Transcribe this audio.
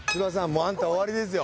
もうあんたは終わりですよ。